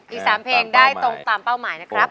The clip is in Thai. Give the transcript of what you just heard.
อีก๓เพลงได้ตรงตามเป้าหมายนะครับ